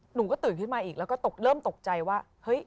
หนูก็ตื่นขึ้นมาอีกแล้วก็ตกเริ่มตกใจว่าเฮ้ย